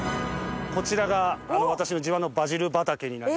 こちらが私の自慢のバジル畑になります。